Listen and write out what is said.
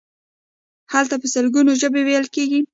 هلته په سلګونو ژبې ویل کیږي.